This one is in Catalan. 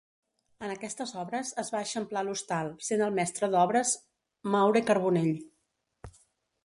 En aquestes obres es va eixamplar l'hostal, sent el mestre d'obres Maure Carbonell.